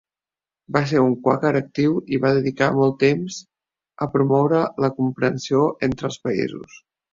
Va ser un quàquer actiu i va dedicar molt temps a promoure la comprensió entre els països.